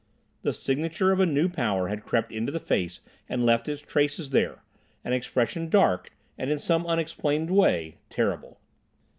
The signature of a new power had crept into the face and left its traces there—an expression dark, and in some unexplained way, terrible.